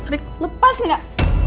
rik lepas gak